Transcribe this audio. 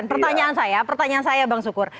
pertanyaan saya pertanyaan saya bang sukur